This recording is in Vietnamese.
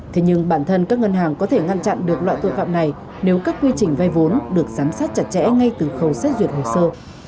thế nhưng bản thân các ngân hàng có thể ngăn chặn được loại tội phạm này nếu các quy trình vay vốn được giám sát chặt chẽ ngay từ khâu xét duyệt hồ sơ